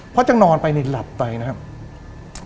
พอจะนอนไปในหลัดไปนะครับ